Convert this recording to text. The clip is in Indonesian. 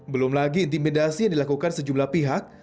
belum lagi intimidasi yang dilakukan sejumlah pihak